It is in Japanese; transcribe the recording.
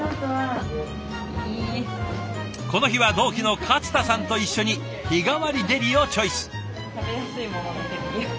この日は同期の勝田さんと一緒に日替わりデリをチョイス。